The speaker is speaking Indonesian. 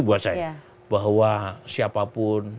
buat saya bahwa siapapun